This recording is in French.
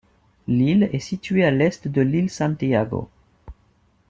L'île est située à l'est de l'île Santiago.